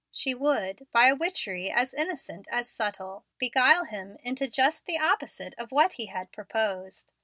She would, by a witchery as innocent as subtile, beguile him into just the opposite of what he had proposed.